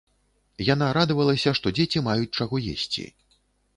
Яна радавалася, што дзеці маюць чаго есці.